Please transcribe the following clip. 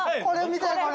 これ見たい。